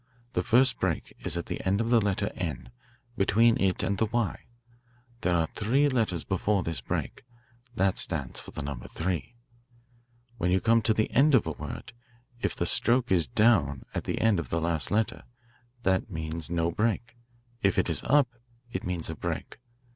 The first break is at the end of the letter 'n,' between it and the 'y.' There are three letters before this break. That stands for the number 3. "When you come to the end of a word, if the stroke is down at the end of the last letter, that means no break; if it is up, it means a break.